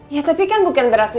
ya tapi kan bukan berarti